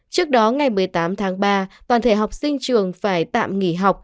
trước đó ngày một mươi tám tháng ba toàn thể học sinh trường phải tạm nghỉ học